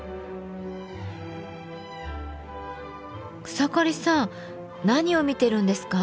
草刈さん何を見てるんですか？